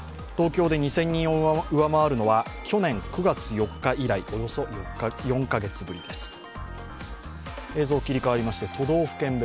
東京で２０００人を上回るのは去年９月４日以来およそ４カ月ぶりです。